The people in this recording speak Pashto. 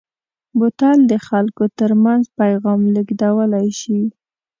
بوتل د خلکو ترمنځ پیغام لېږدولی شي.